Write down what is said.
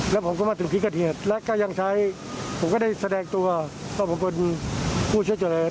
แล้วก็ได้แสดงตัวว่าผมเป็นผู้ช่วยจัดละเอียด